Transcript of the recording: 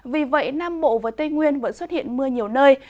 vì vậy nam bộ và tây nguyên vẫn xuất hiện mưa nhiều nơi